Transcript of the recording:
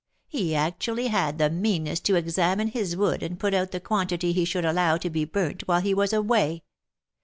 He actually had the meanness to examine his wood and put out the quantity he should allow to be burnt while he was away.